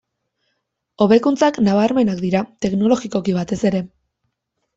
Hobekuntzak nabarmenak dira, teknologikoki batez ere.